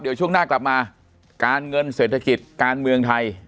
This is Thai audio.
เดี๋ยวช่วงหน้ากลับมาการเงินเศรษฐกิจการเมืองไทย